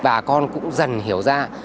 bà con cũng dần hiểu ra